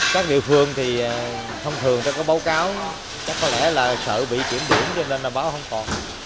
các địa phương thì thông thường có báo cáo chắc có lẽ là sợ bị chuyển điểm cho nên báo không còn